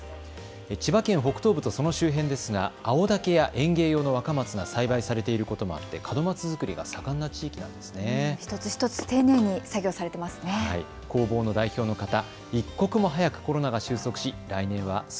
千葉県北東部とその周辺ですが青竹や園芸用の若松が栽培されていることもあって門松作りが盛んな地域なんです。